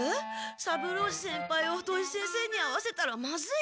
三郎次先輩を土井先生に会わせたらまずい！